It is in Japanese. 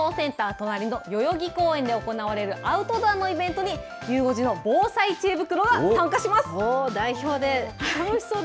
隣の代々木公園で行われるアウトドアのイベントにゆう５時の代表で。